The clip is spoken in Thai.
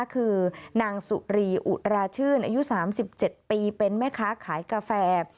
คือนางสุรีอุราชื่นอายุ๓๗ปีเป็นแม่ค้าขายกาแฟ